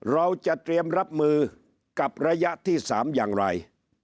เราจะเตรียมรับมือกับระยะที่๓อย่างไร